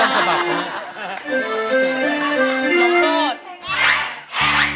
แอ๊บแอ๊บ